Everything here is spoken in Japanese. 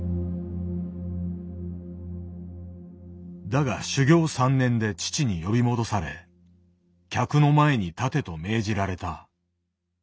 だが修業３年で父に呼び戻され「客の前に立て」と命じられた。